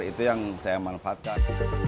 itu yang saya manfaatkan